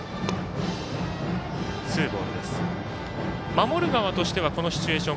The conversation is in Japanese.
守る側としてはこのシチュエーション